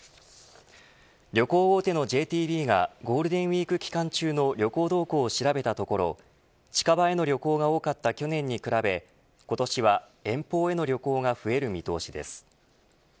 旅行大手のＪＴＢがゴールデンウイーク期間中の旅行動向を調べたところ近場への旅行が多かった去年に比べ今年は、遠方への旅行が増える見通しです。